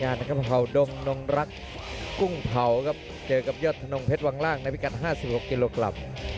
เรามาโดนนักโชคในมุมแดงกันบ้างดีกว่านะครับ